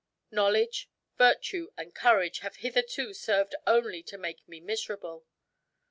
Knowledge, virtue, and courage have hitherto served only to make me miserable."